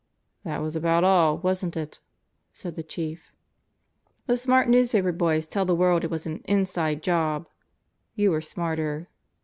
"That was about all, wasn't it?" said the Chief. "The smart newspaper boys tell the world it was an 'inside job.' You were smarter.